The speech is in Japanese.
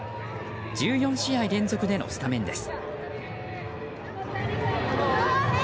１４試合連続でのスタメンです。